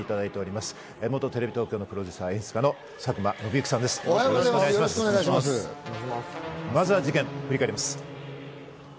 まずは事件を振り返ります。